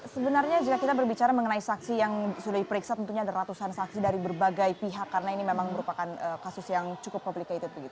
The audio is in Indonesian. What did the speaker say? sebenarnya jika kita berbicara mengenai saksi yang sudah diperiksa tentunya ada ratusan saksi dari berbagai pihak karena ini memang merupakan kasus yang cukup komplikated